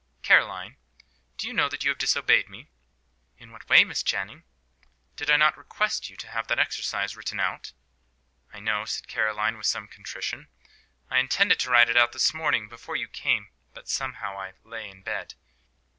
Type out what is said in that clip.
"Caroline, do you know that you have disobeyed me?" "In what way, Miss Channing?" "Did I not request you to have that exercise written out?" "I know," said Caroline, with some contrition. "I intended to write it out this morning before you came; but somehow I lay in bed."